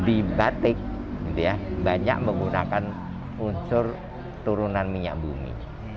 di batik banyak menggunakan unsur turunan minyak bumi